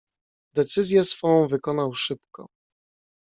"Decyzję swą wykonał szybko."